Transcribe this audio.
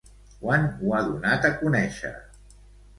Quan ho ha donat a conèixer?